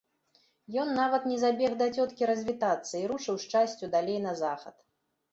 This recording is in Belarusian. Ён нават не забег да цёткі развітацца і рушыў з часцю далей на захад.